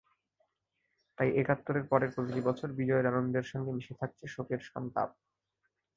তাই একাত্তরের পরের প্রতিটি বছর বিজয়ের আনন্দের সঙ্গে মিশে থাকছে শোকের সন্তাপ।